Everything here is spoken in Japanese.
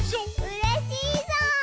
うれしいぞう！